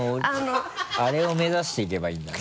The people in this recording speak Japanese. あれを目指していけばいいんだな。